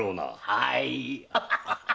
はい！